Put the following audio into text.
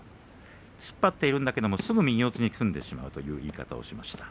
突っ張っているんだけどもすぐ右四つに組んでしまうというようなお話をしていました。